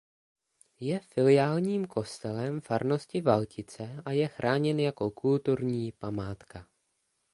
Je filiálním kostelem farnosti Valtice a je chráněn jako kulturní památka.